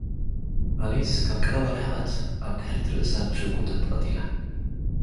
ኣሊስ፡ ካብ ቀረባ ርሕቐት ኣብ ድሕሪት ርእሳ ብሽጉጥ ተቐቲላ።